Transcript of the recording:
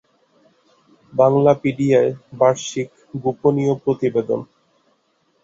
বাংলাপিডিয়ায় বার্ষিক গোপনীয় প্রতিবেদন